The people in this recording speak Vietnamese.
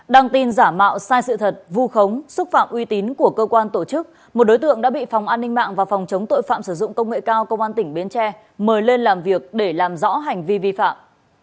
đăng tin giả mạo sai sự thật vu khống xúc phạm uy tín của cơ quan tổ chức một đối tượng đã bị phòng an ninh mạng và phòng chống tội phạm sử dụng công nghệ cao công an tỉnh bến tre mời lên làm việc để làm rõ hành vi vi phạm